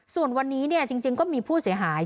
ส่วนวันนี้จริงก็มีผู้เสียหาย